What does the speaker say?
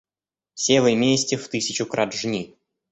Севы мести в тысячу крат жни!